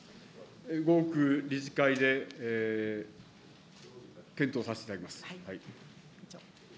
後刻、理事会で検討させていただきます。